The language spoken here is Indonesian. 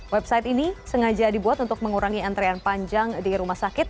website ini sengaja dibuat untuk mengurangi antrean panjang di rumah sakit